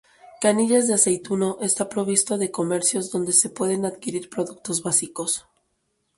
Canillas de Aceituno está provisto de comercios donde se pueden adquirir productos básicos.